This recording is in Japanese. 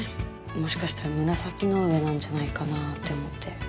もしかしたら紫の上なんじゃないかなって思って。